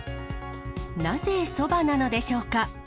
なぜそばなのでしょうか。